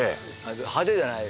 派手じゃない。